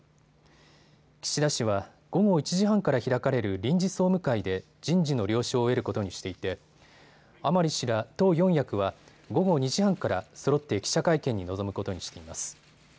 岸田氏は午後１時半から開かれる臨時総務会で人事の了承を得ることにしていて甘利氏ら党四役は午後２時半からそろって記者会見に臨むことにしています。